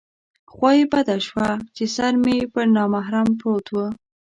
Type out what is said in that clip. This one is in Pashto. خوا یې بده شوه چې سر مې پر نامحرم پروت و.